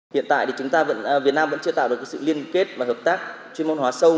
hiện tại việt nam vẫn chưa tạo được sự liên kết và hợp tác chuyên môn hóa sâu